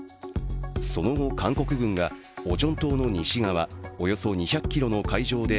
その後、韓国軍がオチョン島の西側およそ２００ｋｍの海上で